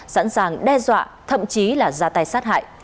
sẵn sàng đe dọa thậm chí là ra tay sát hại